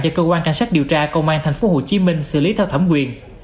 cho cơ quan cảnh sát điều tra công an tp hcm xử lý theo thẩm quyền